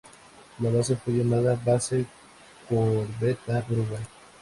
La base fue llamada Base Corbeta Uruguay.